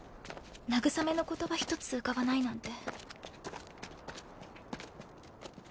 慰めの言葉一つ浮かばないなんて。